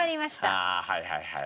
ああはいはいはい。